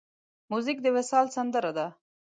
موزیک د وصال سندره ده.